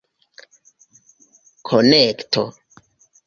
konekto